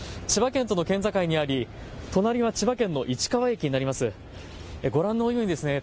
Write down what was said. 千葉県との県境にあり隣は千葉県の市川駅になります。